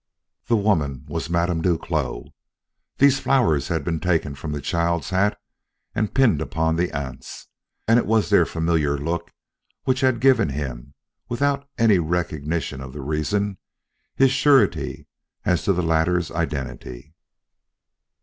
The woman was Madame Duclos. These flowers had been taken from the child's hat and pinned upon the aunt's; and it was their familiar look which had given him, without any recognition of the reason, his surety as to the latter's identity.